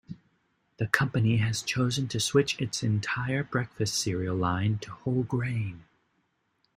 The company has chosen to switch its entire breakfast cereal line to whole grain.